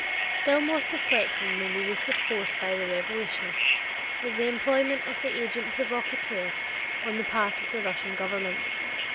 Still more perplexing than the use of force by the revolutionists is the employment of the agent provocateur on the part of the Russian government.